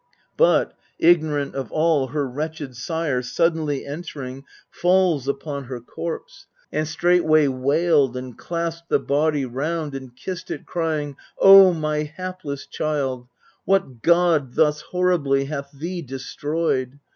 But, ignorant of all, her wretched sire, Suddenly entering, falls upon her corpse, 282 EURIPIDES And straightway wailed and clasped the body round. And kissed it, crying :" Oh, my hapless child, What god thus horribly hath thee destroyed